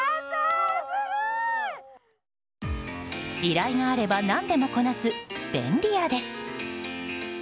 依頼があれば何でもこなす便利屋です。